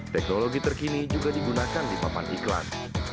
teknologi terkini juga digunakan di papan iklan